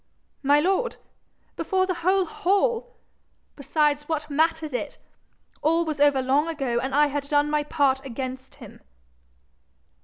'My lord! Before the whole hall? Besides, what mattered it? All was over long ago, and I had done my part against him.'